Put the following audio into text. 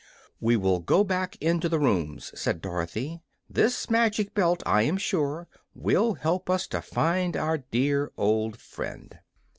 "We will go back into the rooms," said Dorothy. "This magic belt, I am sure, will help us to find our dear old friend."